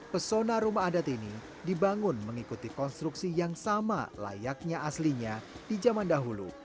pesona rumah adat ini dibangun mengikuti konstruksi yang sama layaknya aslinya di zaman dahulu